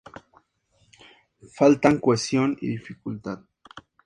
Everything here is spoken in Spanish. Faltan cohesión y ductilidad.